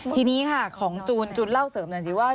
ทีนี้ค่ะของจูนจูนเล่าเสริมหน่อยสิว่า